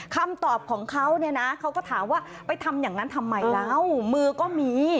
คำตอบของเขาเนี่ยนะเขาก็ถามว่าไปทำอย่างนั้นทำไมแล้วมือก็มี